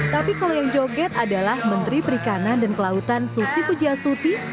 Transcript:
tapi kalau yang joget adalah menteri perikanan dan kelautan susi pujastuti